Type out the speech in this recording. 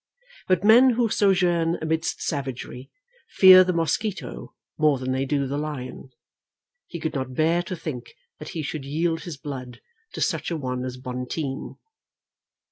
But men who sojourn amidst savagery fear the mosquito more than they do the lion. He could not bear to think that he should yield his blood to such a one as Bonteen.